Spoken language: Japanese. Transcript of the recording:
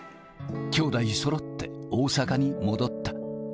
兄弟そろって大阪に戻った。